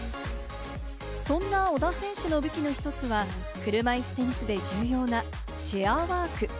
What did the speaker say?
そんな小田選手の武器の１つは、車いすテニスで重要なチェアワーク。